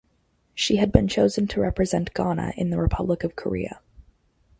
She been chosen to represent Ghana in the Republic of Korea.